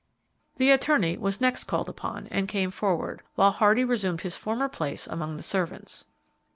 The attorney was next called upon, and came forward, while Hardy resumed his former place among the servants.